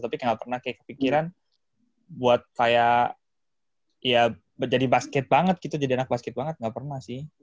tapi enggak pernah kayak kepikiran buat kayak ya jadi basket banget gitu jadi anak basket banget enggak pernah sih